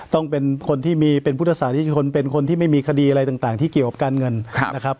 ต้องเป็นคนที่มีเป็นพุทธศาสนิกชนเป็นคนที่ไม่มีคดีอะไรต่างที่เกี่ยวกับการเงินนะครับ